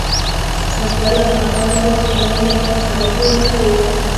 پسه لا خبر نه و چې نن ده ته چاړه تېره شوې ده.